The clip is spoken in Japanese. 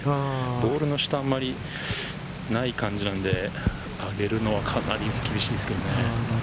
ボールの下、あんまりない感じなんで、上げるのはかなり厳しいですけどね。